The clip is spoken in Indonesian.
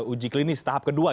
uji klinis tahap kedua